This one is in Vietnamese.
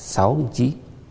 sáu bộ trí